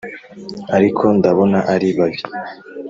ariko ndabona ari babi